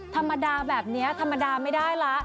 ธรรมดาแบบนี้ธรรมดาไม่ได้ละ